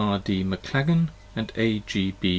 R. D. MACLAGAN AND A. G.